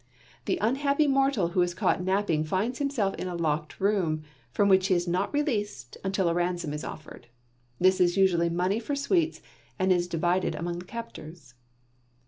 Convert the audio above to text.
The unhappy mortal who is caught napping finds himself in a locked room, from which he is not released until a ransom is offered. This is usually money for sweets and is divided among the captors.